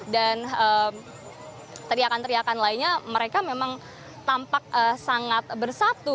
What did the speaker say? dan teriakan teriakan lainnya mereka memang tampak sangat bersatu